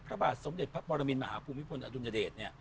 พระบาทสมเด็จพระปรมินมหาภูมิพลอดุลยเดช